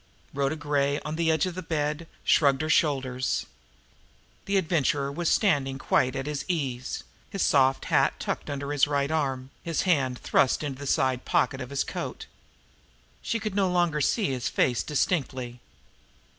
Rhoda Gray, on the edge of the bed, shrugged her shoulders. The Adventurer was standing quite at his ease, his soft hat tucked under his right arm, his hand thrust into the side pocket of his coat. She could no longer see his face distinctly.